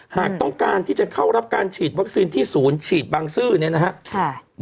หากต้องการที่จะเข้ารับการฉีดวัคซีนที่ศูนย์ฉีดบังซื้อเนี่ยนะครับ